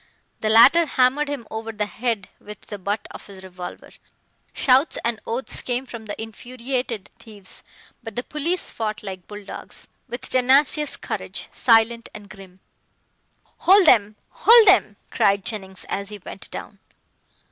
The latter hammered him over the head with the butt of his revolver. Shouts and oaths came from the infuriated thieves, but the police fought like bulldogs, with tenacious courage, silent and grim. "Hold them hold them!" cried Jennings, as he went down.